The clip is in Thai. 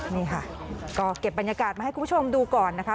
นี่ค่ะก็เก็บบรรยากาศมาให้คุณผู้ชมดูก่อนนะคะ